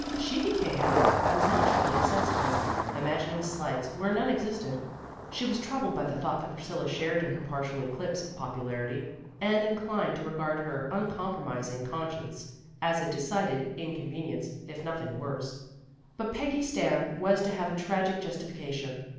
She became unnaturally sensitive, imagining slights where none existed. She was troubled by the thought that Priscilla shared in her partial eclipse of popularity, and inclined to regard her uncom promising conscience as a decided inconven ience, if nothing worse. But Peggy's stand was to have a tragic justification.